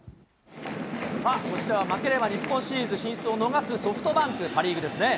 さあ、こちらは負ければ日本シリーズ進出を逃すソフトバンク、パ・リーグですね。